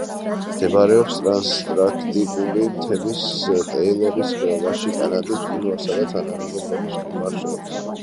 მდებარეობს ტრანსანტარქტიკული მთების ტეილორის ხეობაში კანადის მყინვარსა და თანამეგობრობის მყინვარს შორის.